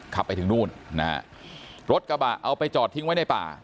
ไปถึงนู่นนะฮะรถกระบะเอาไปจอดทิ้งไว้ในป่า